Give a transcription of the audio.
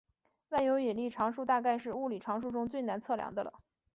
万有引力常数大概是物理常数中最难测量的了。